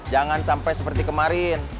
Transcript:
jangan sampai seperti kemarin